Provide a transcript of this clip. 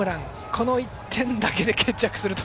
この１点だけで決着すると。